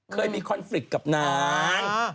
เคยมีคอนฟริกต์กับนาง